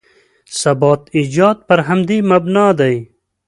ثبات ایجاد پر همدې مبنا دی.